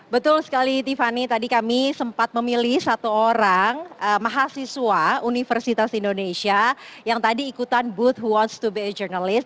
betul sekali tiffany tadi kami sempat memilih satu orang mahasiswa universitas indonesia yang tadi ikutan booth watch to be a journalist